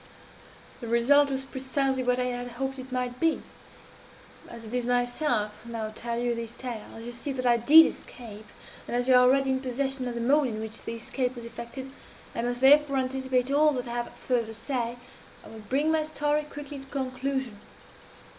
"The result was precisely what I had hoped it might be. As it is myself who now tell you this tale as you see that I did escape and as you are already in possession of the mode in which this escape was effected, and must therefore anticipate all that I have farther to say I will bring my story quickly to conclusion.